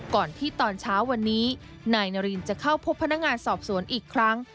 ก่อนที่ตอนเช้าวันนี้นายนารินจะเข้าพบพนักงานสอบสวนอีกครั้ง